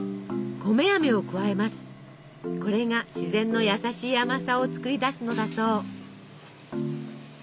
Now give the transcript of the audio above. これが自然の優しい甘さを作り出すのだそう。